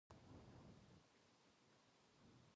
連打したら減点になりますよ